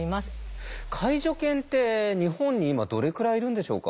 介助犬って日本に今どれくらいいるんでしょうか？